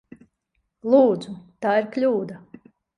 Lūdzu! Tā ir kļūda!